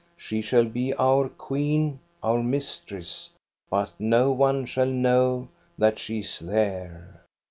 She shall be our queen, our mistress, but no one shall know that she is there.